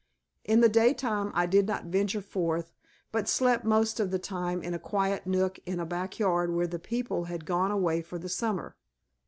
In the daytime I did not venture forth, but slept most of the time in a quiet nook in a back yard where the people had gone away for the summer.